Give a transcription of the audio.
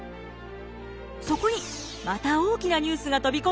そこにまた大きなニュースが飛び込んできます。